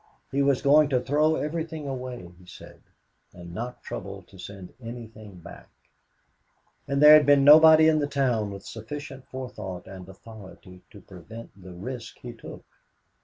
He was going to throw everything away, he said, and not trouble to send anything back; and there had been nobody in the town with sufficient forethought and authority to prevent the risk he took.